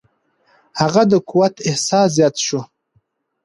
هغه د قوت احساس زیات شو.